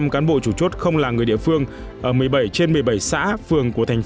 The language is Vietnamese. cán bộ chủ chốt không là người địa phương ở một mươi bảy trên một mươi bảy xã phường của thành phố